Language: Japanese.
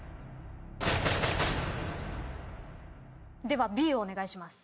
ではＢをお願いします。